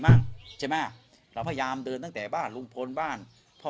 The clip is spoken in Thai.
บ้างใช่ไหมเราพยายามเดินตั้งแต่บ้านลุงพลบ้านพ่อ